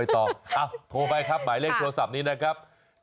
โทรไปครับหมายเลขโทรศัพท์นี้นะครับ